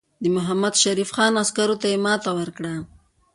د محمدشریف خان عسکرو ته یې ماته ورکړه.